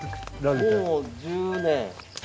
もう１０年。